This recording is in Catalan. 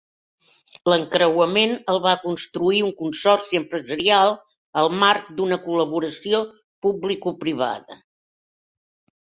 L'encreuament el va construir un consorci empresarial al marc d'una col·laboració publicoprivada.